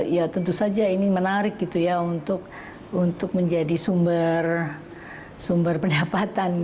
ya tentu saja ini menarik gitu ya untuk menjadi sumber pendapatan